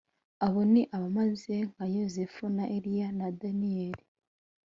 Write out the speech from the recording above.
Abo ni abameze nka Yozefu na Eliya na Daniyeli